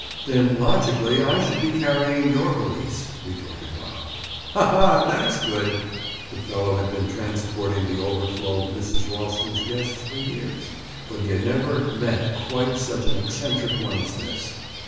"Then, logically, I should be carrying your valise," retorted Bob. "Ha! ha! That's good." The fellow had been transporting the overflow of Mrs. Ralston's guests for years, but he had never met quite such an eccentric one as this.